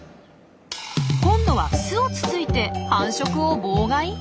今度は巣をつついて繁殖を妨害？